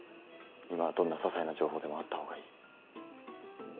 今はどんなささいな情報でもあった方がいい。